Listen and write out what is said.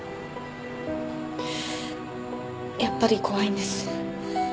やっぱり怖いんです。